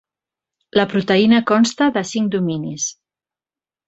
La proteïna consta de cinc dominis.